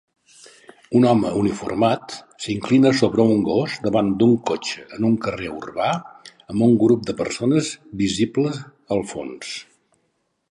Un home uniformat s'inclina sobre un gos davant d'un cotxe en un carrer urbà amb un grup de persones visible al fons.